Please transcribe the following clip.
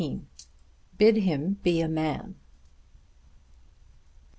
"BID HIM BE A MAN."